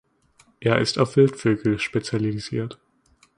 Er ist auf Wildvögel spezialisiert.